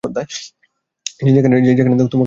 সে যেখানেই যাক সেখানেই তোমাকে ডেকে নিবে।